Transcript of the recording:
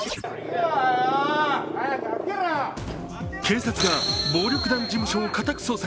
警察が暴力団事務所を家宅捜索。